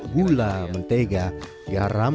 gula mentega garam